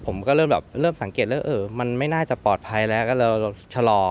ผมก็เริ่มแบบเริ่มสังเกตแล้วเออมันไม่น่าจะปลอดภัยแล้วก็เราชะลอ